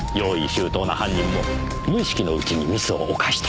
周到な犯人も無意識のうちにミスを犯した。